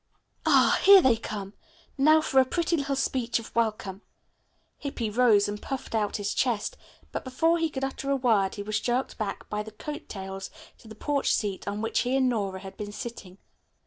"Ah, here they come! Now for a pretty little speech of welcome." Hippy rose and puffed out his chest, but before he could utter a word he was jerked back by the coat tails to the porch seat on which he and Nora had been sitting.